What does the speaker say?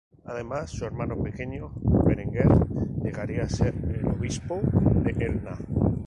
Además su hermano pequeño, Berenguer, llegaría a ser obispo de Elna.